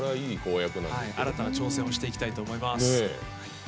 新たな挑戦をしていきたいと思います。